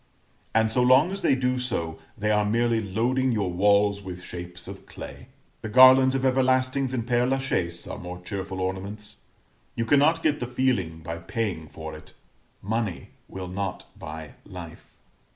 And so long as they do so they are merely loading your walls with shapes of clay: the garlands of everlastings in Père la Chaise are more cheerful ornaments. You cannot get the feeling by paying for it money will not buy life.